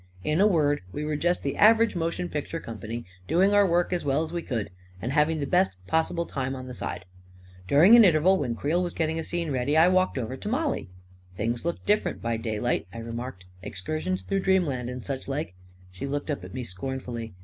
In a word, we were just the average motion picture 291 292 A KING IN BABYLON company, doing our work as well as we could, and having the best possible time on the side I During an interval when Creel was getting a scene ready, I walked over to Mollie. " Things look different by daylight," I remarked ;" excursions through dream land, and such like I " She looked up at me scornfully.